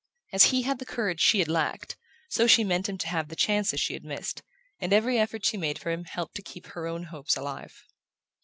As he had the courage she had lacked, so she meant him to have the chances she had missed; and every effort she made for him helped to keep her own hopes alive.